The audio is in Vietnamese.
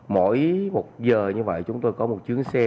mỗi một giờ như vậy chúng tôi có một chuyến xe